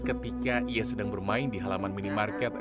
ketika ia sedang bermain di halaman minimarket